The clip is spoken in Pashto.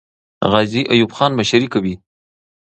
غازي ایوب خان مشري کوي.